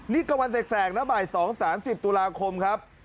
นี่ก็วันแสกนะบ่าย๒๓๐ตุลาคมครับ